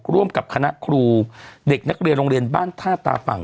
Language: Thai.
ร่วมกับคณะครูเด็กนักเรียนโรงเรียนบ้านท่าตาฝั่ง